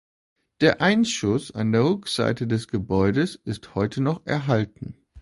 Der Einschuss an der Rückseite des Gebäudes ist heute noch erhalten.